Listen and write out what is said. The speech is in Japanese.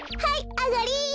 あがり！